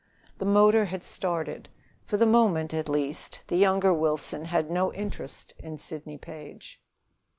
The motor had started. For the moment, at least, the younger Wilson had no interest in Sidney Page.